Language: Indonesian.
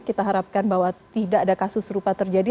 kita harapkan bahwa tidak ada kasus serupa terjadi